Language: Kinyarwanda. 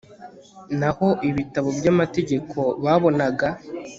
naho ibitabo by'amategeko babonaga